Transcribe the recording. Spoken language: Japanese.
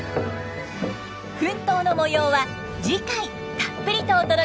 奮闘の模様は次回たっぷりとお届けします。